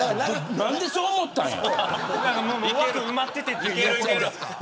何でそう思ったんや。